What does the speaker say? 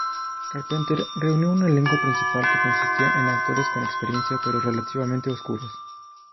Carpenter reunió un elenco principal que consistía en actores con experiencia, pero relativamente oscuros.